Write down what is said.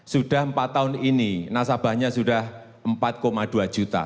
sudah empat tahun ini nasabahnya sudah empat dua juta